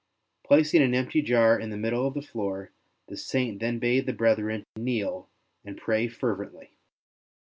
Placing an empty jar in the middle of the floor, the Saint then bade the brethren kneel and pray fervently.